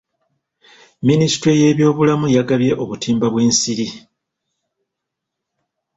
Minisitule y'ebyobulamu yagabye obutimba bw'ensiri.